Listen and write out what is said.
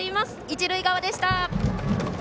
一塁側でした。